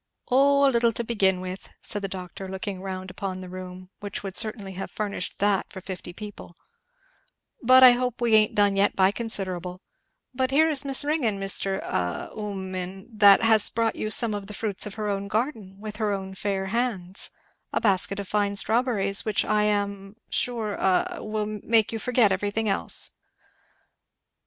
"O a little to begin with," said the doctor, looking round upon the room, which would certainly have furnished that for fifty people; "I hope we ain't done yet by considerable But here is Miss Ringgan, Mr. a Ummin, that has brought you some of the fruits of her own garden, with her own fair hands a basket of fine strawberries which I am sure a will make you forget everything else!"